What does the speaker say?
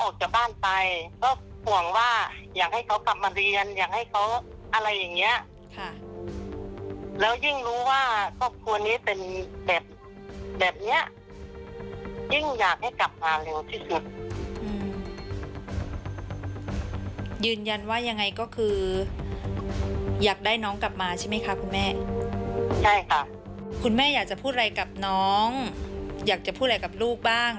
คุณแม่อยากจะพูดอะไรกับน้องอยากจะพูดอะไรกับลูกบ้าง